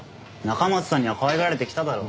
中松さんにはかわいがられてきただろ？